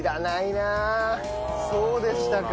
そうでしたか。